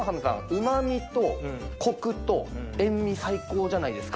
うま味とコクと塩味最高じゃないですか。